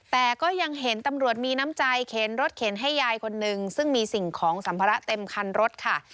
แต่ก็ยังเห็นตำรวจมีน้ำใจเข็นรถเข็นให้ยายคนนึงซึ่งมีสิ่งของสัมภาระเต็มคันรถค่ะ